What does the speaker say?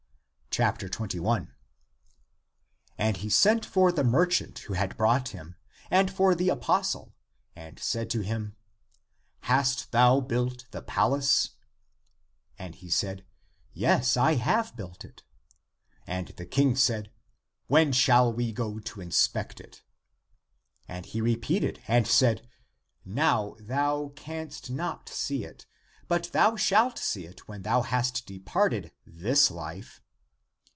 21. And he sent for the merchant who had brought him, and for the apostle, and said to him, " Hast thou built the palace ?" And he said, " Yes, I have built it." The King said, " When shall we go to inspect it?" And he repeated and said, " Now thou canst not see it, but thou shalt see it when thou hast departed this life."